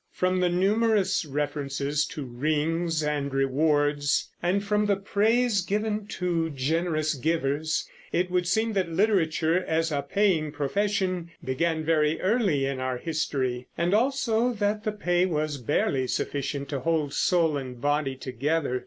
From the numerous references to rings and rewards, and from the praise given to generous givers, it would seem that literature as a paying profession began very early in our history, and also that the pay was barely sufficient to hold soul and body together.